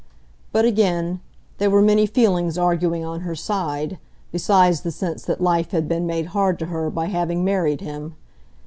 But again, there were many feelings arguing on her side, besides the sense that life had been made hard to her by having married him.